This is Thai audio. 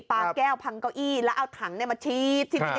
ปลาแก้วพังเก้าอี้แล้วเอาถังมาชิด